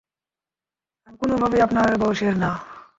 আমি কোনভাবেই আপনার বয়সের না।